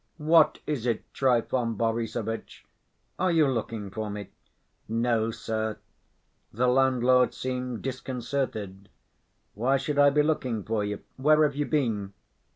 "What is it, Trifon Borissovitch? are you looking for me?" "No, sir." The landlord seemed disconcerted. "Why should I be looking for you? Where have you been?"